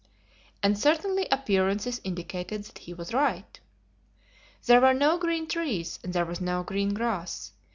And certainly appearances indicated that he was right. There were no green trees, and there was no green grass.